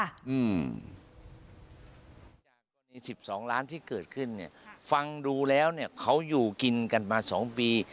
อันนี้๑๒ล้านที่เกิดขึ้นฟังดูแล้วเขาอยู่กินกันมา๒ปี